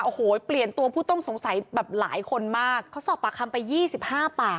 โอ้โหเปลี่ยนตัวผู้ต้องสงสัยแบบหลายคนมากเขาสอบปากคำไปยี่สิบห้าปาก